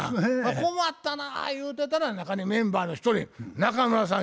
困ったな言うてたら中にメンバーの一人中村さん